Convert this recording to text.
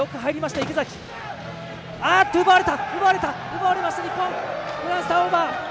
奪われました、日本。